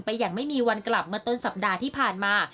อย่างไม่มีวันกลับเมื่อต้นสัปดาห์ที่ผ่านมา